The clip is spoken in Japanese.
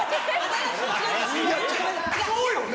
そうよね？